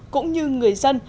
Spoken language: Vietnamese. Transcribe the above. cũng như người dân